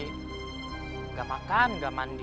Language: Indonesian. nggak makan nggak mandi